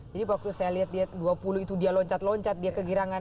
jadi waktu saya lihat dia dua puluh itu dia loncat loncat dia kegirangan